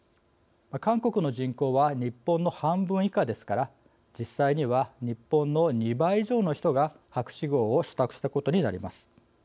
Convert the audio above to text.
韓国の人口は日本の半分以下ですから実際には日本の２倍以上の人が博士号を取得したことになります。